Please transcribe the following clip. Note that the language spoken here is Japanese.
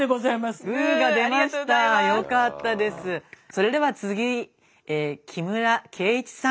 それでは次木村敬一さん。